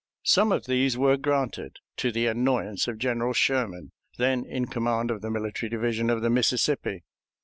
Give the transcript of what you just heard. Some of these were granted, to the annoyance of General Sherman, then in command of the Military Division of the Mississippi.